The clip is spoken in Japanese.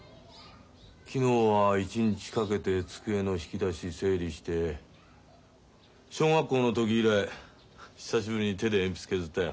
昨日は一日かけて机の引き出し整理して小学校の時以来久しぶりに手で鉛筆削ったよ。